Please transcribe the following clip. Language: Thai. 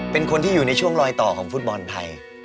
เป็นคนที่อยู่ในช่วงลอยต่อของฟุตบอลไทย